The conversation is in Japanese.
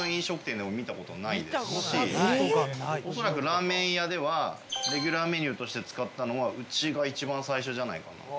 おそらくラーメン屋ではレギュラーメニューとして使ったのはうちが一番最初じゃないかなと。